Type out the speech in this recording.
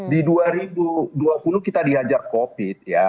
di dua ribu dua puluh kita dihajar covid ya